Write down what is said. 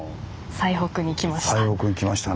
最北に来ました。